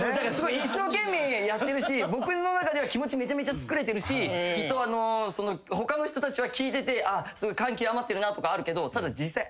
一生懸命やってるし僕の中では気持ちめちゃめちゃつくれてるしきっと他の人たちは聞いてて感極まってるなとかあるけど。